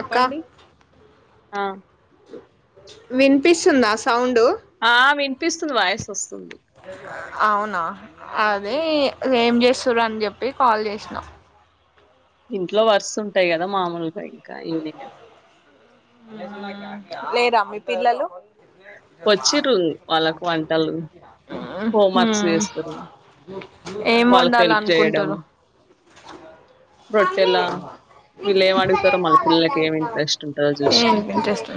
అక్క ఆ వినిపిస్తుందా సౌండ్ ఆ వినిపిస్తుంది వాయస్ వస్తుంది అవునా అది ఏం చేస్తుారు అని చెప్పి కాల్ చేసినాం ఇంట్లో వరుస ఉంటాయి కదా మామూలుగా ఇంకా ఈవినింగ్ లేరామ్ మీ పిల్లలు అ వచ్చిర్రు వాళ్ళకు వంటలు హోమ్ వర్క్స్ చేస్తారు ఏం వాళ్ళకి వండాల హెల్ప్ చేయడం అనుకుంటారు మమ్మీ రొట్టెలా మీ వీళ్ళు ఏం అడుగుతారో కేదు మళ్ళ పిల్లలకి ఏమి అలాట్న్నా ఇంట్రెస్ట్ ఉంటందో ఏ చూసి ఇంట్రెస్ట్ ఉ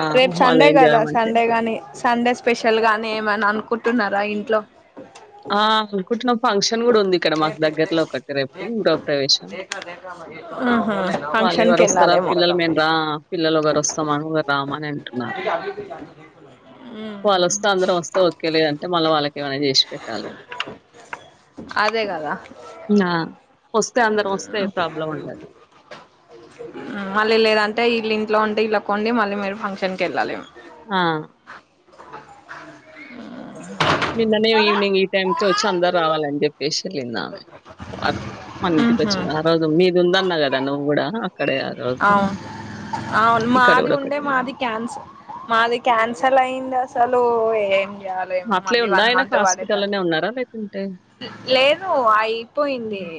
ఆ రేపు వాళ్ళు సండే ఏం కదా చేయమంటే సండే గాని సండే స్పెషల్ గాని ఏమని అనుకు కుట్ున్నారా ఇంట్లో ఆ అనుకుంటున్నాం ఫంక్షన్ కూడా ఉంది ఇక్కడ మాకు దగ్గర్లో ఒకటి రేపు గృహప్రవేశం ఆ ఫంక్షన్ కెళ్ళాలే మ ఆ పిల్లలు ఒకరు వస్తామని ఒక రామని అంటున్నారు వాళ్ళు హ్మ్ వస్తే అందరం వస్తే ఓకే లేదంటే మళ్ళీ వాళ్ళకి ఏమైనా చేసి పెట్ నా మళ్ళ ఇల్ లేద అంటే ఇలింత ంటే ఇలా కొండి మళ్ళీ మీరు ఫంక్షన్కి వెళ్ళాలిము ఆ నిన్ననే ఈవినింగ్ ఈ టైం క వచ్చి అందరు రావాలని చెప్పి స్పెషల్ందామే మన ఇంటికి వచ్చి ఆ రోజు మీది ఉందన్నా కదా నువ్వు కూడా అోజ అవును అవును మాది ఉండే మాది క్యాన్సల్ మాది క్యాన్సల్ అయింది అసలు ఏం చేయలో ఏమో అట్లే మళ్ళీ ఉందా? వన్ ఆయనకు మంత్ పడేటారు హాస్పిటల్‌లోనే ఉన్నారా? లేకుంటే లేదు అయిపోయింది హ్మ్.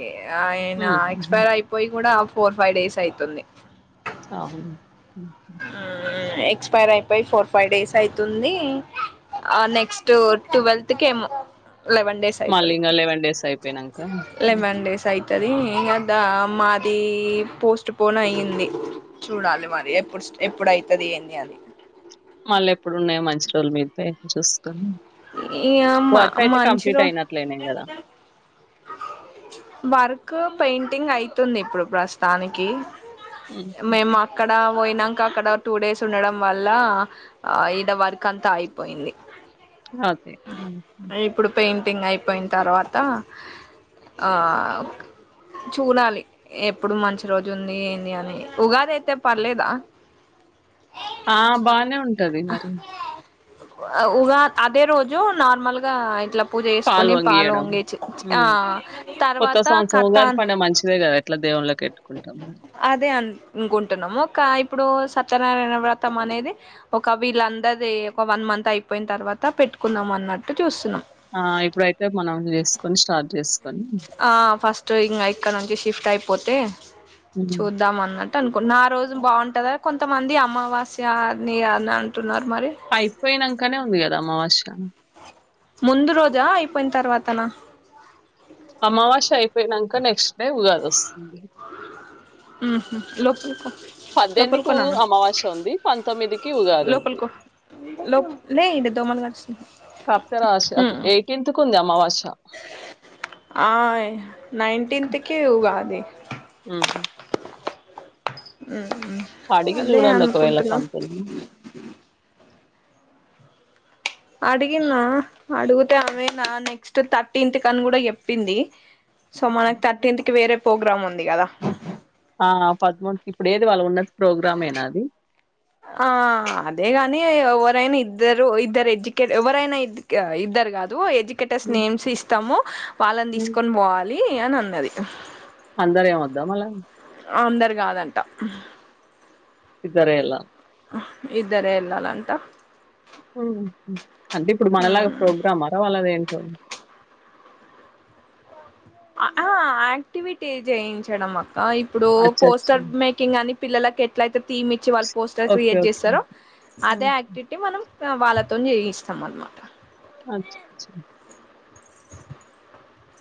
ఆయన హుహుహు. ఎక్స్పైర్ అయిపోయి కూడా ఫోర్ ఫైవ్ డేస్ అవుతుంది అ ఎక్స్పైర్ అయిపోయి ఫోర్ ఫైవ్ డేస్ అయితుంది ఆ నెక్స్ట్ ట్వల్త్ కేమో లెవెన్ డేస్ మళ్ళీ అయితది ఇంగ డేస్ అయిపోయినంక హ్మ్. లెవెన్ డేస్ అయ్ తదీ గదా మాదీ పోస్ట్ పోన్ అయ్యింది చూడాలి మరి ఎప్పుడు స్ట ఎప్పుడైతది ఏంది అది మళ్ళెప్పుడున్నాయో మంచి రోజుల మీ పైన చూసుకొని ఇ అ మ వర్క్ అయితే మంచి కంప్లీట్ రో అయినట్లేనే గదా! వర్క్ పెయింటింగ్ అయితుంది ఇప్పుడు ప్రస్తానికి మేము హుహుహు. అక్కడ వొయిన కా అక్కడ టూ డేస్ ఉండడం వల్లా ఆ ఈడ వర్క్ అంతా అయిపోయింది అదే టింగ్ అయిపోయిన తర్వాత ఆ ఒక్ చూడాలి ఎప్పుడు మంచి రోజు ఉందీ ఏంది అని ఉగాది అయితే పర్లేదా ఆ బానే ఉంటది మరి ఉగా అదే రోజు నార్మల్ గా ఇట్ల పూజ జేసుకొని పాలు వొంగిచ్చి చి ఆ హ్మ్. కొత్త తర్వాత కథ దేవుల్లక్ ఎట్టుకుంటాం అదే అన్ అనుకుంటున్నము కా ఇప్పుడు సత్యనారాయణ వ్రతం అనేది ఒక వీళ్ళందరిది ఒక వన్ మంత్ అయిపోయిన తర్వా త పెట్టుకుందాం అన్నట్టు చూస్తున్నాం ఆ ఇప్పుడైతే మనం చేసుకొని స్టార్ట్ జేస్ ఆ ఫస్ట్ ఇంగ ఇక్క నుంచి షిఫ్ట్ అయిపోతే హ్మ్. చూద్దాం అన్న టనుకున్నా ఆ రోజుల్ బాగుంటదా కొంతమంది అమావాస్య అని అనంటున్నారు ఐపోయినంకనే ఉంది గద అమావాస్య ముందు రోజా అయిపోయిన్ తర్వాతనా అమావాస్య అయిపోయినంక నెక్స్ట్ డే ఉగాది ఒస్సుంది ఉహు పద్దెందికూ లోపలికో నాన్న అమావాస్య ఉంది పంతొమ్మిదికి ఉగాది ఉంది లోపలికో లో కరుస్తున్నాయి కప్తరాశ్య అట్ల ఉమ్, ఎయిటీన్త్ కు ఉంది అమావాస్య ఆయ్ నైన్టీన్త్ కి ఉగాది హ్మ్. అడిగి అదే జూడండి ఒకవేళ అనుకుంటున్నా పంతుల్ని అడిగినా అడుగుతే అమె నా నెక్స్ట్ థర్టీన్త్ కని గూడా ఎప్పింది సో మనక్ థర్టీన్త్ కి వేరే పోగ్రామ్ ఉంది గదా ఆ పద్మూడుకి ఇప్పుడు ఏది వాళ్ళు ఉన్న ప్రోగ్రామేనా అది అదే గానీ ఎవరైనా ఇద్దరు ఇద్దరు ఎడ్యుకేట్ ఎవరైనా ఇద్ గా ఇద్దరు రిగాదు ఎడ్యుకేటర్స్ హ్మ్. నేమ్స్ ఇస్తాము వాళ్ళన్ హ్మ్. తీసుకొని బోవాలి అని అన్నది అందరు ఏమొద్దా మళ ఆ అందరు గాదంట ఇద్దరే ఎలా ఇద్దరే ఎల్లాలంట అంటే ఇప్పుడు మనలాగా ఉమ్ ప్రోగ్రామా రా వాలది టు అ ఆ యాక్టివిటీ చేయించడం అక్క ఇప్పుడూ అచ్చచ్చా! పోస్టర్ మేకింగ్ అని పిల్లలకి ఎట్లైతే థీమ్ ఇచ్చి వాళ్ళు పోస్టర్ ఓకే. Create okay. చేస్తారో అదే హ్మ్. యాక్టివిటీ మనం వాళ్ళతోన్ చేయిస్తాం అన్మాట అచ్చ చ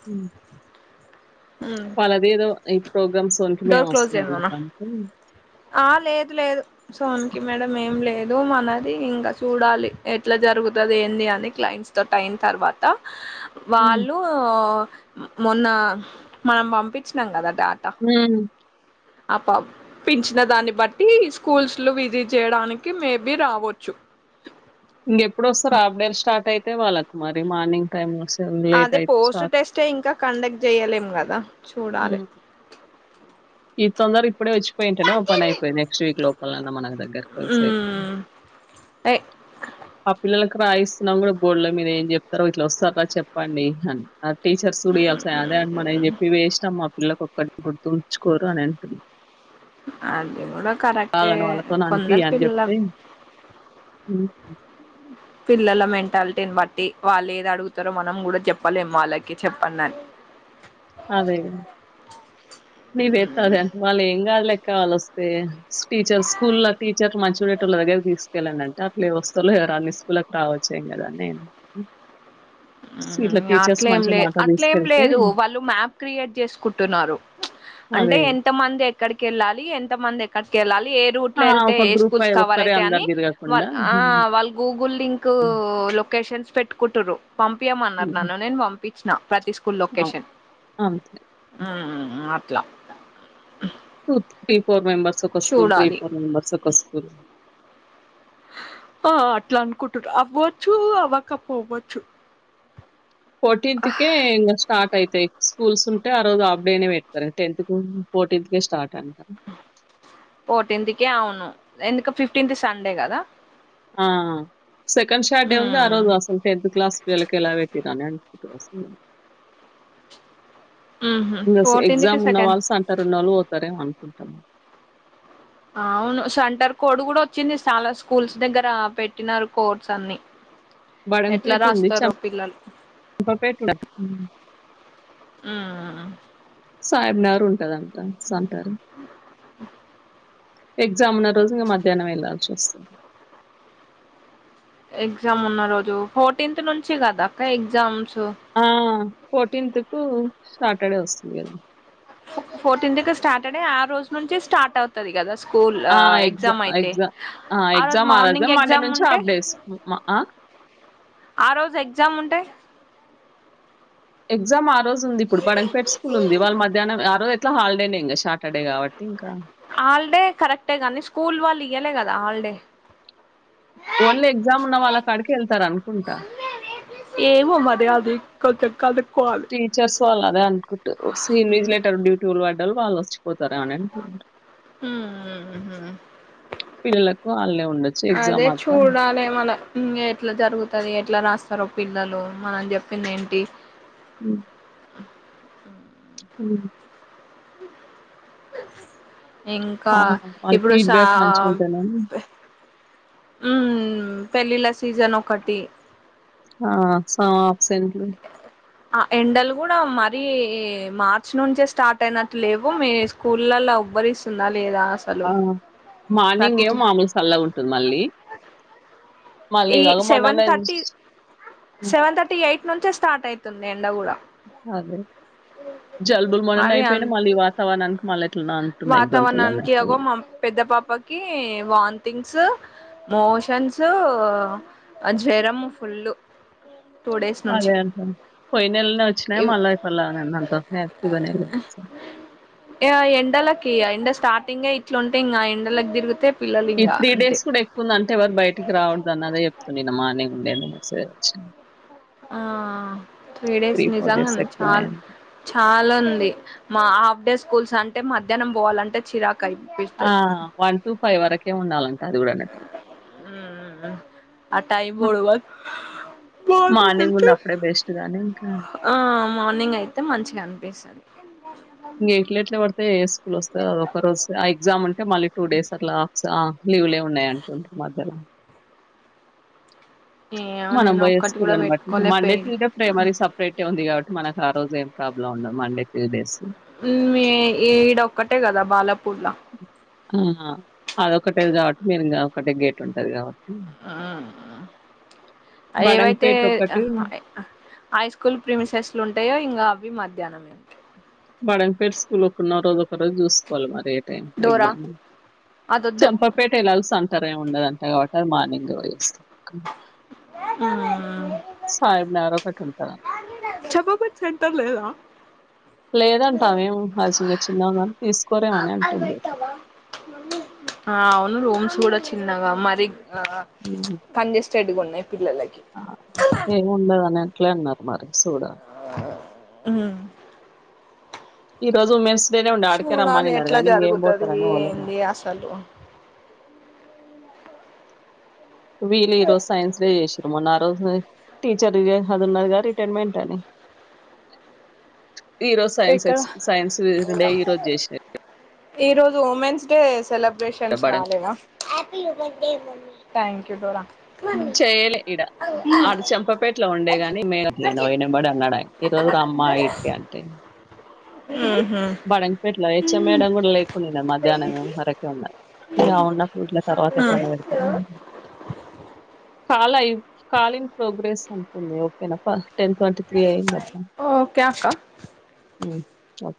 హ్మ్ వాళ్ళద ఏదో ఈ ప్రోగ్రామ్స్నికి మేము డోర్ క్లోజ్ వస్తుందన్న చేయమనా పనికి ఆ లేదు లేదు సోన్నికి మేడం ఏం లేదు ఇమనది ఇంకా చూడాలి ఎట్లా జరుగుతుంది ఏంది అని క్లైంట్స్ తో టైం తర్వాత హ్మ్. వాళ్ళు మొన్న మనం పంపించినాం కదా డాటా హ్మ్ ఆ ప పించిన దాన్ని బట్టి స్కూల్స్లు విధి చేయడానికి మేబి రావచ్చు ఇంక ఎప్పుడు వస్తారు హార్డ్ డేస్ స్టార్ట్ అయితే వాళ్ళకు మరి మార్నింగ్ టైమ్ వస్త అదే పోస్ట్ టెస్టే ఇంకా కండక్ట్ చేయలేం కదా చూడాలి తొంద్దర పెట్టుడే వచ్చియింట ఓపె అయి నెస్ట్ వీక్ లో పెన్ అన్నా మనది ఇంకా కోంతసేపు మ్మ్ ఏ అ పిల్లలకు రాయిస్తున్నాం కూడా బోల్లో మీరు ఏం చెప్తారో ఇట్లా వస్తారా చెప్పండి అని టీచర్స్ చ కూడాయల్స అదే అం మన అని చెప్పి వేసినా మా పిల్లలకు ఒక్కటి గుర్తుకి స్కీరూ నినే పిడి అది కూడా కరెక్టే కాగని వాళ్ళతో అనిపి కొందరు అని పిల్లల చెప్తే హ్మ్ హ్మ్ పిల్లల మెంటాలిటీని బట్టి వాళ్ళు ఏది అడుగుతారో మనం కూడా చెప్పలేం వాళ్ళకి చెప్పడిని అదే నేను ఎత్త అది [unintelligible] వాళ్ళ ఏంకాదులే కాల్ వస్తే టీచర్ స్కూల్ ఆ టీచర్ మంచిు పెట్టాలా దగ్గర తీసుకెళ్ళండింటే అట్లా ఏవ వస్తాో అన్ని స్కూల్కి రావచ్చేం కదా నేను ఇట్లా టీచర్స్ అట్లేం మంచి లే మాట అట్లేం తీసుకెళ్తే లేదు వాళ్ళు మ్యాప్ క్రియేట్ చేసుకుంటున్నారు అంటే అదే ఎంత మంది ఎక్కడికి వెళ్ళాలి ఎంత మంది ఎక్కడికి వెళ్ళాలి ఏ రూట్ లో వెళ్తే ఒక ఏ గ్రూప్ స్కూల్స్ అయి కవర్ ఒక్కరే అందరు అని తిరగకుండా వాళ్ళు గగుల్ లిం లొకేషన్స్ పెట్టుకుంటు్ర పంపించమన్నారు నన్ను నేను పంపించిన ప్రతి స్కూల్ లొకేషన్ అంతే అట్లా టూ త్రీ ఫోర్ మెంబర్స్ ఒక స్కూల్ త్రీ చూడాలి ఫోర్ మెంబర్స్ ఒక స్కూల్ ఆ అట్లా అనుకుంటారు అవ్వచ్చు అవ్వకపో అవ్వచ్చు ఫర్టీన్తుకే ఇంగా స్టార్ట్ అయితే స్కూల్స్ ఉంటే ఆ రోజు ఆప్డేనే పెడతారు టెన్త్ కు ఫోర్టీన్త్ కే స్టార్ట్ అంట ఫోర్టీన్త్కే అవును ఎందుక ఫిఫ్టీన్త్ సండే కదా ఆ సెకండ్ షాట్డే ఉంది ఆ మ్మ్ రోజు అసలు టెన్త్ క్లాస్ వెళ్ళకి ఎలా పెట్రానుండి మ్మ్ [unintelligible] ఫోర్టీన్త్ కి ఎగ్జామ్ సెకండ్ ఉన్నవాళ్లు సెంటర్ ఉన్నళ్ళు పోతారే అ కుంటాము అవును సంటర్ కోడ్ కూడా వచ్చింది చాలా స్కూల్స్ దగ్గర పెట్టినారు కోడ్స్ అన్ని ఎట్లా బడంగపేట్ ఉంది చం రాస్తారో పిల్లలు చంపపేట ఉండే మ్మ్ సాబ్నర్ ఉంటదంట సంటారు ఎగ్జామ్ ఉన్న రోజు ఇ మధ్యాహ్నం వెళ్లాల్సి వస్తుంది ఎగ్జామ్ ఉన్న రోజు ఫోర్టీన్త్ నుంచి కదా అక్క ఎగ్జామ్స్ ఆ ఫోర్టీన్త్ కు సాటర్డే వస్తుంది కదా ఫోర్టీన్ కీ సాటర్డే ఆ రోజు నుంచి స్టార్ట్ అవుతుది కదా స్కూల్ ఆ ఎగ్జా ఎగ్జామ్ అయితే ఎగ్జామ్ ఆ రోజు ఎగ్జామ్ ఆరోజే మార్నింగ్ మండే ఎగ్జామ్ నుంచి ఉంటే హాఫ్ డేస్ అ ఆ రోజు ఎగ్జామ్ ఉంటే ఎగ్జామ్ ఆరోజు ఉంది ఇప్పుడు పడాక్ పేట్ స్కూల్ ఉంది వాళ్ళ మధ్యాహ్నం ఆ రోజుట్లా హాలిడేనే ఇక సాటర్డే కాబట్టి హాలిడే కరెక్టే కానీ స్కూల్ వాళ్ళు ఇయ్యలే కదా హాలిడే ఓన్లీ ఎగ్జామ్ ఉన్న వాళ్ళక్కక్కడికి వెళ్తారు అనుకుంటా ఏమో మరి అవి కొంచెం కల్ టీచర్స్ వాళ్ళు అదే అనుకుంటారు ఇన్విజిలేటర్ డ్యూటీ వాళ పడ్డ వాళ వాళ్ళు వచ్చు పోతారా అనే అంటుర్రు ఉమ్ పిల్లలకు వాళ్ళనే ఉండొచ్చు ఎగ్జామ్ మాత్రం ఇంగా ఎట్లా జరుగుతుది ఎట్లా రాస్తారో పిల్లలు మనం చెప్పింది ఏంటి ఉ ఉ అ ఇంకా ఆ! వాళ్ళ ఇప్పుడు సా ఫీడ్‌బ్యాక్ మంచిగుంటేనని ఉ పెళ్ళిళ్ళ సీజన్ ఒకటి ఆ సగం ఆబ్సెంట్ లు ఆ ఎండలు కూడా మరీ మార్చి నుంచే స్టార్ట్ అయినట్టు లేవు మీ స్కూల్లో లా ఉబ్బరిస్తుందా లేదా అసలు ఆ! మార్నింగ్ ప్రతి ఏమో మామూలు సల్ల ఉంటుంది మళ్ళీ మళ్ళీ ఈ ఇగ సెవెన్ మొన్ననే థర్టీ హ్మ్. సెవెన్ థర్టీ ఎయిట్ నుంచే స్టార్ట్ అవుతుంది ఎండ కూడా అదే జల్బులు మొనన్నే మరి అయిపోయినా అంత మళ్ళీ ఈ వాతావరణానికి మళ్ళీ ఎట్లానో అంటున్నాయి గొంతులు అన్ని వాతావరణానికి అగో మళ్లీ మా పెద్ద పాపకి వామ్తింగ్స్ మోషన్స్ జ్వరం ఫుల్లు అది అంటున్న పోయిన నెలనే వచ్చినాయి మల్ల ఫుల్ అంత యాక్టివ్గానే ఆ ఎండలకి ఎండ స్టార్టింగ్ ఇట్లాంటే ఇంకా ఎండకి తిరిగితే పిల్లలు ఈ ఇంకా త్రీ అంతే డేస్ కూడా ఎక్కుఉంది అంటే ఎవరు బయటికి రావద్దు అదే చెప్ నిన్న మార్నింగ్ ఉండే ఏందో మసేజ్ వచ్ ఆ త్రీ డేస్ నిజంగా డేస్ నే చాల్ ఎక్కువున్నాయని. చాలా ఉంది మా హాఫ్ డే స్కూల్స్ అంటే మధ్యాహ్నం పోవాలంటే చిరాకు ఆ అయిపిస్తుంది వన్ టూ ఫైవ్ వరకే ఉండాలంట అది కూడా అనక ఉ ఆ టైమ్ బోర్డు వక్ మార్నింగ్ అయితే ఉన్నప్పుడే బెస్ట్ గానీ ఇంకా ఆ మార్నింగ్ అయితే మంచిగా అనిపిస్తుంది ఇంక ఎట్ల ఎట్లా పడితే ఏ స్కూల్ వస్తుంది అది ఒక రోజు ఆ ఎగ్జామ్ ఉంటే మళ్ళీ టూ డేస్ అట్లా సా లీవులే ఉన్నాయి అంటున్నారు మద్యలో ఏమో మనం నేను పోయే ఒక్కటి స్కూల్ కూడా అని బట్టి పెట్టుకోలే మండే పేరు తి ప్రైమరీ సపరేట్ ఉంది కాబట్టి మనకు ఆ రోజు ఏం ప్రాబ్లమ్ ఉండదు మండే ట్యూస్డే డేస్ ఉ ఈ ఈడ ఒక్కటే కదా బాలపూర్ లో ఆ అదొకటేది కాబట్టి మీరు ఇంకా ఒకటే గేట్ ఉంటాది కాబట్టి ఆ ఏవైతే బడంగపేట్ ఒకటి ఆహా హ హై స్కూల్ ప్రిమి సెస్లు ఉంటాయో ఇంకా అవి మధ్యాహ్నమే బడం పెట్ స్కూల్ ఒన్న రోజు ఒక రోజు చూసుకోవాలి మరి కె డోరా ఎగ్జా అదొద్దు చంపపేట వెళ్లాల్సి అంన్ ఇర ఏమి ఉండదంటే కాబట్టి అ మార్నింగ్ పోయి వస్తా ఉ సాయి నగర్ ఒకటి ఉంటది అంతే చప్ప పేట సెంటర్ లేదా లేదంటా ఆమె ఏమో ఆజంగా చిన్న కాని తీసుకోరేమని అంటుండు ఆ ఉ రూమ్స్ కూడా చిన్నగా మరి హ్మ్. కనిచేస్ట్డ్గు ఉన్నాయి పిల్లలకి ఆ అట్ల ఏమి ఉండదుని అట్లే అన్నారు మరి సుడాలి ఉ ఈ రోజు మెస్ ఇంట్లనే ఉండ ఆడికే చూడాలి రమ్మనీ అన్నారు ఎట్లా కానీ ఇంకేం జరుగుతది పోతారని పోలే ఏంది అసలు వీళ్ళ ఈ రోజు సైన్స్ డే చేసిరు తరుమన్న రోజు టీచర్ అది ఉన్నదిగా రిటైర్మెంట్ అని [inaudible] ఈ రోజు సైన్స్ ఎక్ ఎక్కడ సైన్స్ డే ఈ రోజు చేసారు ఈ రోజు ఉమెన్స్ డే సెలబ్రేషన్స్ బడం కాలేదా థ్యాంక్ యూ డోరా చేయలే ఇడా ఆడ చెంపపేటలో ఉండేగాని మేన ఈయన పోయిన ఎమ్మడే అన్నాడాయానా ఈ రోజు అమ్మా ఇడికే అంటే బడంపేట్లో హెచ్ఎం మేడమ్ కూడా లేకుండే మధ్యాహ్నం వరకే ఉన్నా ఇంకా ఉన్నప్పుడు యిట్ల తర్వాత ఎప్పుడైనా పెడతారేమో చాలా అయి కాలిన్ ప్రోగ్రెస్ అంటుంది ఓకేనా ప్ర టెన్ ట్వంటీ త్రీ అయింది అబ్బా ఓకే అక్క ఓకే